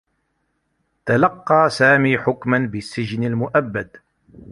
تلقّى سامي حكما بالسّجن المؤبّد.